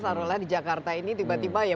taruh lah di jakarta ini tiba tiba ya